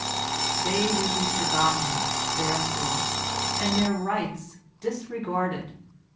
They will be forgotten, therefore, and their rights disregarded.